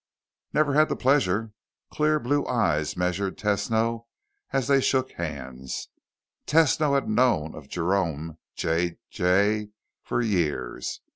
"Never had the pleasure." Clear blue eyes measured Tesno as they shook hands. Tesno had known of Jerome J. Jay for years.